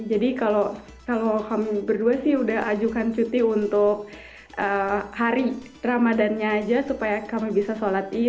jadi kalau kami berdua sih udah ajukan cuti untuk hari ramadannya aja supaya kami bisa sholat